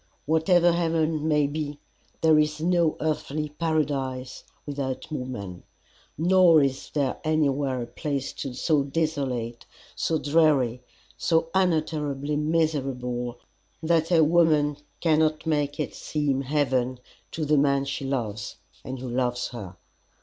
Whatever heaven may be, there is no earthly paradise without woman, nor is there anywhere a place so desolate, so dreary, so unutterably miserable that a woman cannot make it seem heaven to the man she loves and who loves her.